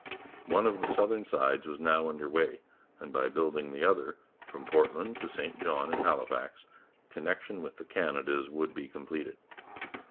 One of the southern sides was now under way, and by building the other, from Portland to St John and Halifax, connection with the Canadas would be completed.